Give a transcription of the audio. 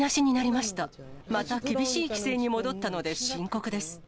また厳しい規制に戻ったので深刻です。